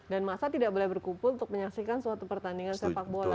dan masa tidak boleh berkumpul untuk menyaksikan suatu pertandingan sepak bola